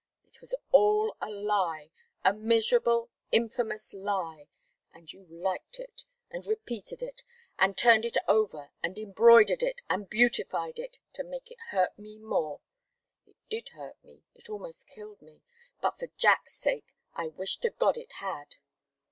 It was all a lie, a miserable, infamous lie! And you liked it, and repeated it, and turned it over and embroidered it and beautified it to make it hurt me more. It did hurt me it almost killed me but for Jack's sake, I wish to God it had!"